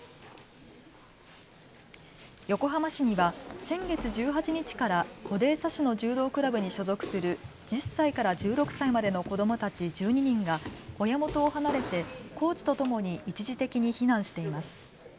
横浜市には先月１８日からオデーサ市の柔道クラブに所属する１０歳から１６歳までの子どもたち１２人が親元を離れてコーチとともに一時的に避難しています。